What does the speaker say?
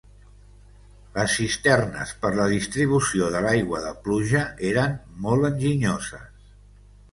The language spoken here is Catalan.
Les cisternes per la distribució de l'aigua de pluja eren molt enginyoses.